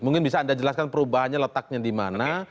mungkin bisa anda jelaskan perubahannya letaknya di mana